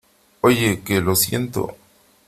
oye , que lo siento .